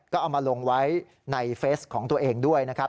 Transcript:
ก็เอามาลงไว้ในเฟสของตัวเองด้วยนะครับ